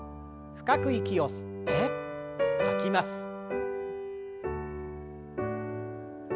深く息を吸って吐きます。